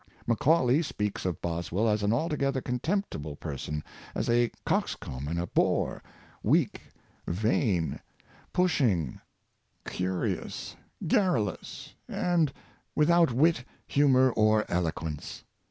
Macaulay speaks of Boswell as an altogether contempt ible person — as a coxcomb and a bore — weak, vain, pushing, curious, garrulous, and without wit, humor, or eloquence.